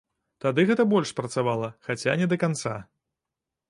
Тады гэта больш спрацавала, хаця не да канца.